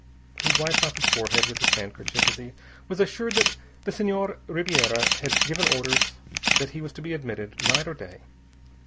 He wiped off his forehead with his handkerchief as he was assured that the Senhor Ribiera had given orders he was to be admitted, night or day.